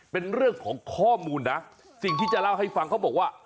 เป็นเรื่องของข้อมูลนะสิ่งที่จะเล่าให้ฟังเขาบอกว่า